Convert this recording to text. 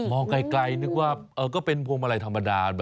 ไกลนึกว่าก็เป็นพวงมาลัยธรรมดา